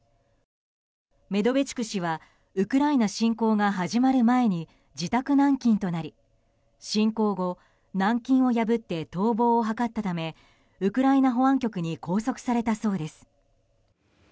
メドベチュク氏はウクライナ侵攻が始まる前に自宅軟禁となり侵攻後、南京を破って逃亡を図ったためウクライナ保安局に拘束されたそうです。